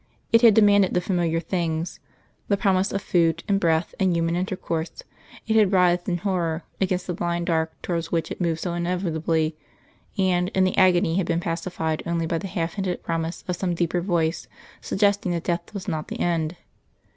It had demanded the familiar things the promise of food and breath and human intercourse; it had writhed in horror against the blind dark towards which it moved so inevitably; and, in the agony had been pacified only by the half hinted promise of some deeper voice suggesting that death was not the end.